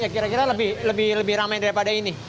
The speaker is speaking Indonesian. kira kira lebih ramai daripada ini